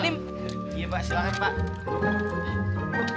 iya pak silahkan pak